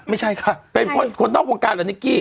ไม่ใช่ค่ะเป็นคนนอกวงการเหรอนิกกี้